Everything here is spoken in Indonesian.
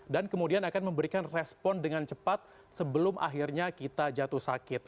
dan kemudian akan memberikan respon dengan cepat sebelum akhirnya kita jatuh sakit